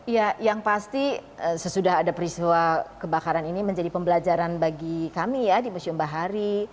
ya yang pasti sesudah ada peristiwa kebakaran ini menjadi pembelajaran bagi kami ya di museum bahari